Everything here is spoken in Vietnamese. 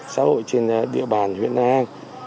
xã hội trên địa bàn huyện an